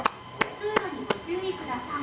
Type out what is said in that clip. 通路にご注意ください。